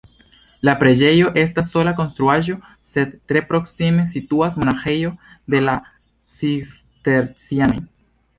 La preĝejo estas sola konstruaĵo, sed tre proksime situas monaĥejo de la cistercianoj.